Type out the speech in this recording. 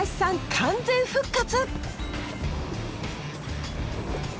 完全復活！